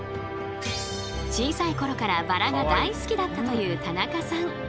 小さい頃からバラが大好きだったという田中さん。